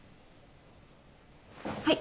はい。